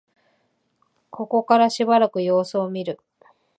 ここからしばらく様子を見る